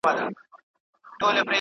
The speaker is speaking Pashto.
موږ خو یې پر سیوري د رقیب ګامونه نه منل